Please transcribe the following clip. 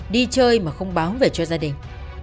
đi chơi mà không báo về cho gia đình